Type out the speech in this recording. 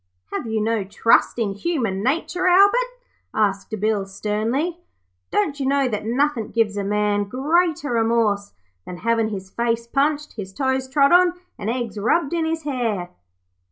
'Have you no trust in human nature, Albert?' asked Bill, sternly. 'Don't you know that nothin' gives a man greater remorse than havin' his face punched, his toes trod on, and eggs rubbed in his hair?'